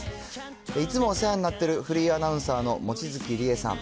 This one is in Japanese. いつもお世話になっている、フリーアナウンサーの望月理恵さん。